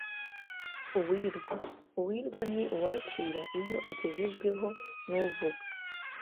Uwirwa: Uwirwa ni uwakira iyo agejejweho n’uvuga